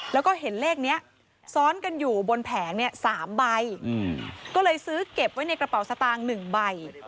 แล้วก็เห็นเลขนี้ซ้อนกันอยู่บนแผงเนี่ย๓ใบก็เลยซื้อเก็บไว้ในกระเป๋าสตางค์๑ใบ